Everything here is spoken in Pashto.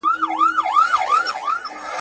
دا جمع او منفي ده.